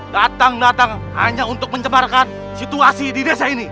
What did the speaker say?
datang datang hanya untuk mencemarkan situasi di desa ini